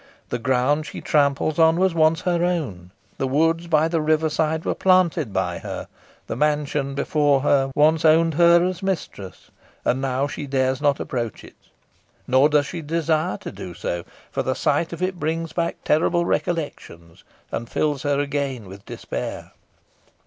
The ground she tramples on was once her own; the woods by the river side were planted by her; the mansion before her once owned her as mistress, and now she dares not approach it. Nor does she desire to do so, for the sight of it brings back terrible recollections, and fills her again with despair.